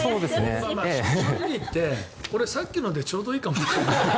正直言って俺さっきのでちょうどいいかもしれない。